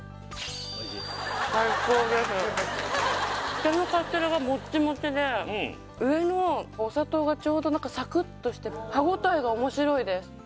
下のカステラがもっちもちで上のお砂糖がちょうど何かサクッとして歯ごたえが面白いです